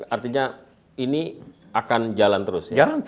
artinya ini akan jalan terus ya